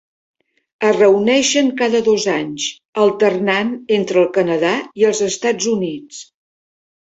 Es reuneixen cada dos anys, alternant entre el Canadà i els Estats Units.